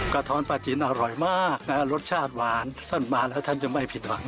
ท้อนปลาจีนอร่อยมากรสชาติหวานท่านมาแล้วท่านจะไม่ผิดหวัง